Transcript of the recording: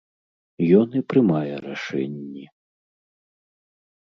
Ён і прымае рашэнні.